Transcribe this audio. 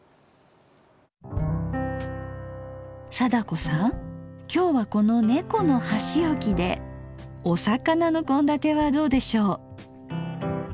貞子さん今日はこの猫の箸置きでお魚の献立はどうでしょう？